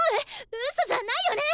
ウソじゃないよね！？